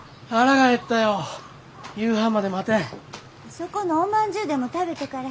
そこのおまんじゅうでも食べとかれ。